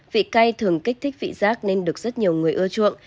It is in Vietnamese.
vị cay thường kích thích vị rác nên được rất nhiều người ưa chuộng